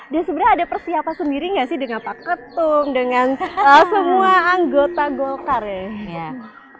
dan sebenarnya ada persiapan sendiri gak sih dengan pak ketum dengan semua anggota golkar ya